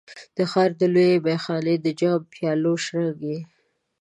د ښار د لویې میخانې د جام، پیالو شرنګی